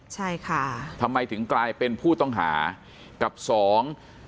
ใช่ค่ะทำไมถึงกลายเป็นผู้ต้องหากับสอง